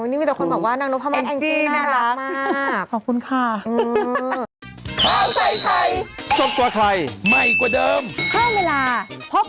นี่มีแต่คนบอกว่านางนุพมัติแองซีน่ารักมาก